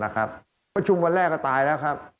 ควบคุมวันแรกก็ตายแล้ว